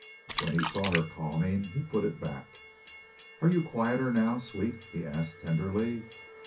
When he saw her calming, he put it back. "Are you quieter now, sweet?" he asked, tenderly.